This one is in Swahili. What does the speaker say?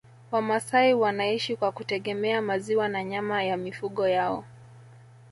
Wamasai wanaishi kwa kutegemea maziwa na nyama ya mifugo yao